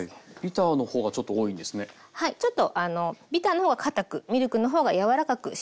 ちょっとビターの方がかたくミルクの方が柔らかく仕上がります。